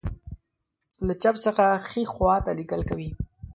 له چپ څخه ښی خواته لیکل کوي.